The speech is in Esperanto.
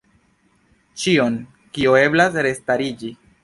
Ĉion, kio eblas restariĝi.